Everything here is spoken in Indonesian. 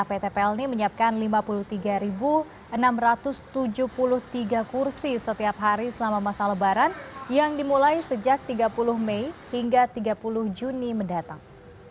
pt plni menyiapkan lima puluh tiga enam ratus tujuh puluh tiga kursi setiap hari selama masa lebaran yang dimulai sejak tiga puluh mei hingga tiga puluh juni mendatang